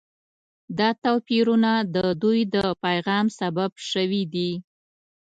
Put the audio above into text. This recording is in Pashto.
دا توپیرونه د دوی د پیغام سبب شوي دي.